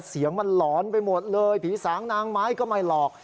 เสียงมันหลอนไปหมดเลยผีสางนางไม้ก็ไม่หลอก